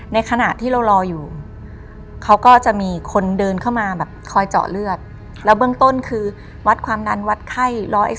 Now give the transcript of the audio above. ในขณะที่เรารออยู่เขาก็จะมีคนเดินเข้ามาแบบคอยเจาะเลือดแล้วเบื้องต้นคือวัดความดันวัดไข้๑๑๒